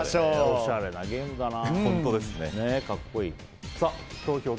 おしゃれなゲームだな。